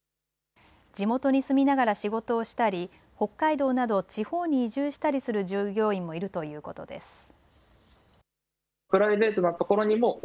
地元に住みながら仕事をしたり北海道など地方に移住したりする従業員もいるということです。